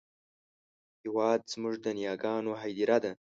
هېواد زموږ د نیاګانو هدیره ده